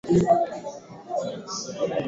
Wakati Shein akipata asilimia hamsini nukta moja